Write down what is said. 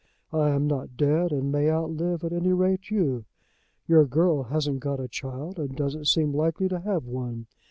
I am not dead, and may outlive at any rate you. Your girl hasn't got a child, and doesn't seem likely to have one.